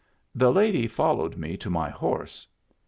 The lady followed me to my horse.